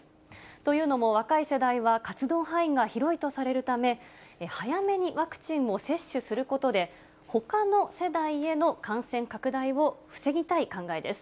というのも、若い世代は活動範囲が広いとされるため、早めにワクチンを接種することで、ほかの世代への感染拡大を防ぎたい考えです。